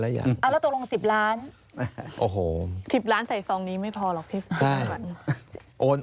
เชิญเลย